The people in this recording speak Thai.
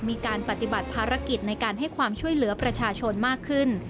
มีการปฏิบัติภารกิจในการให้ความช่วยเหลือประชาชนมากขึ้น